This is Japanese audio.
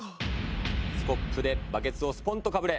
スコップでバケツをスポンとかぶれ！